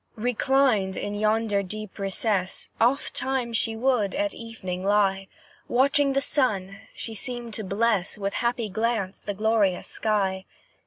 Reclined in yonder deep recess, Ofttimes she would, at evening, lie Watching the sun; she seemed to bless With happy glance the glorious sky.